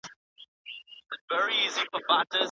که ته په خپل کار باور لري نو نورو ته یې هم وښایه.